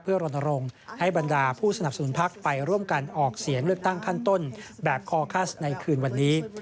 เพื่อรณรงค์ให้บรรดาผู้สนับสนุนพักไปร่วมกันออกเสียงเลือกตั้งขั้นต้นแบบคอคัสในคืนวันนี้